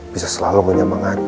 bisa selalu menyemangati